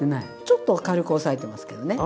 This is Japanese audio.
ちょっとは軽く抑えてますけどね。